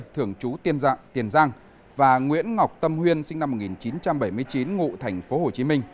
thường trú tiền giang và nguyễn ngọc tâm huyên sinh năm một nghìn chín trăm bảy mươi chín ngụ tp hcm